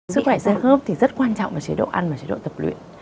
sức khỏe sương khớp thì rất quan trọng vào chế độ ăn và chế độ tập luyện